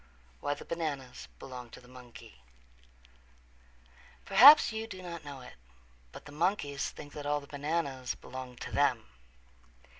XII Why the Bananas Belong to the Monkey Perhaps you do not know it, but the monkeys think that all the bananas belong to them.